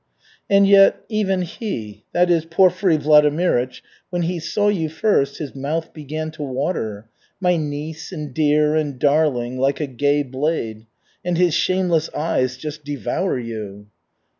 "And yet, even he, that is, Porfiry Vladimirych, when he saw you first, his mouth began to water. 'My niece,' and 'dear,' and 'darling,' like a gay blade. And his shameless eyes just devour you."